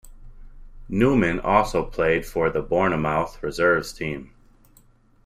Newman also played for the Bournemouth reserves team.